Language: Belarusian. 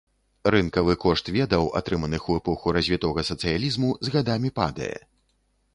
Рынкавы кошт ведаў, атрыманых у эпоху развітога сацыялізму, з гадамі падае.